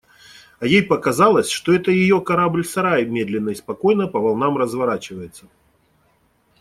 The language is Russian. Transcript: А ей показалось, что это ее корабль-сарай медленно и спокойно по волнам разворачивается.